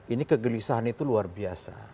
ini kegelisahan itu luar biasa